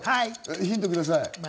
ヒントください。